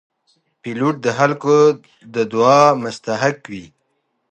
پیلوټ د خلکو د دعاو مستحق وي.